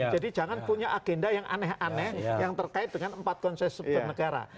jadi jangan punya agenda yang aneh aneh yang terkait dengan empat konsensus pernegara